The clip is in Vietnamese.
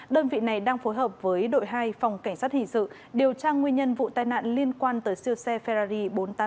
đơn vị này đang phối hợp với đội hai phòng cảnh sát hình sự điều tra nguyên nhân vụ tai nạn liên quan tới siêu xe ferrari bốn trăm tám mươi tám